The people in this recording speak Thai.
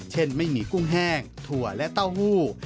ไม่มีกุ้งแห้งถั่วและเต้าหู้